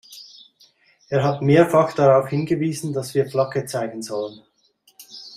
Er hat mehrfach darauf hingewiesen, dass wir Flagge zeigen sollen.